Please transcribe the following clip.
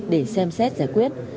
để xem xét giải quyết